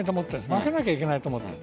負けないといけないと思っている。